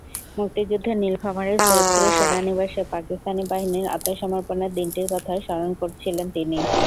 মুক্তিযুদ্ধে নীলফামারীর সৈয়দপুর সেনানিবাসে পাকিস্তানি বাহিনীর আত্মসমর্পণের দিনটির কথা স্মরণ করছিলেন তিনি।